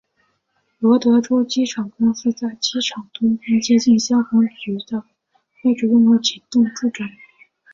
罗德岛州机场公司在机场东面接近消防局的位置拥有几幢住宅。